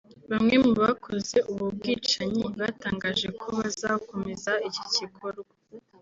Bamwe mu bakoze ubu bwicanyi batangaje ko bazakomeza iki gikorwa